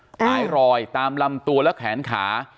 หายรอยตามลำตัวและแขนขา